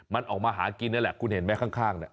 มันออกมาหากินนั่นแหละคุณเห็นไหมข้างเนี่ย